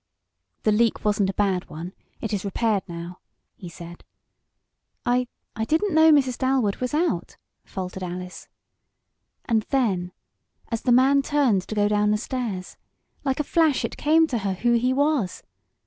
"The leak wasn't a bad one; it is repaired now," he said. "I I didn't know Mrs. Dalwood was out," faltered Alice. And then, as the man turned to go down the stairs, like a flash it came to her who he was.